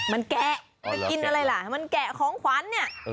มันแกะมันกินอะไรล่ะมันแกะของขวัญเนี่ย